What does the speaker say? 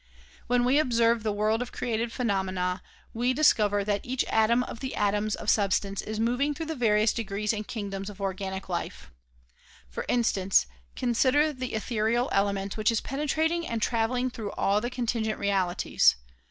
When we observe the world of created phenomena we discover that each atom of the atoms of substance is moving through the DISCOURSE DELIVERED IX FANWOUD 155 various degrees and kingdoms of organic life. For instance, con sider the ethereal element which is penetrating and traveling through all the contingent realities.